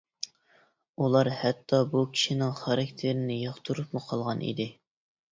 ئۇلار ھەتتا بۇ كىشىنىڭ خاراكتېرىنى ياقتۇرۇپمۇ قالغان ئىدى.